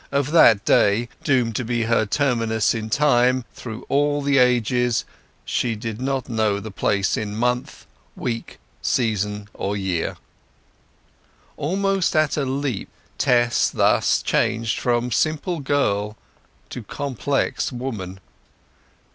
Of that day, doomed to be her terminus in time through all the ages, she did not know the place in month, week, season or year. Almost at a leap Tess thus changed from simple girl to complex woman.